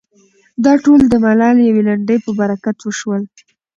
دا ټول د ملالې د يوې لنډۍ په برکت وشول.